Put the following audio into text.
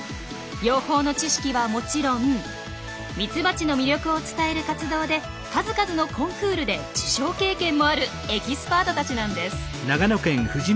養蜂の知識はもちろんミツバチの魅力を伝える活動で数々のコンクールで受賞経験もあるエキスパートたちなんです。